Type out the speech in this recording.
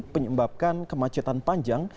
menyebabkan kemacetan panjang